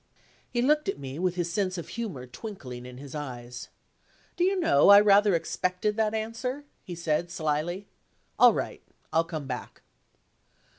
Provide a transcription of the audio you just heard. He looked at me with his sense of humor twinkling in his eyes. "Do you know I rather expected that answer?" he said, slyly. "All right. I'll come back."